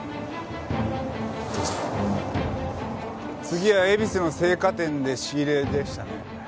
次は恵比寿の生花店で仕入れでしたね？